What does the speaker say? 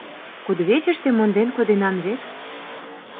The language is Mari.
— Кудывечыште монден коденам вет.